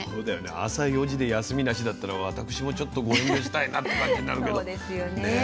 朝４時で休みなしだったら私もちょっとご遠慮したいなって感じになるけどね。